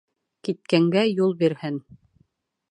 Киткәнгә юл бирһен